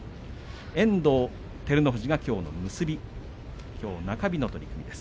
遠藤、照ノ富士がきょうの結びきょう中日の取組です。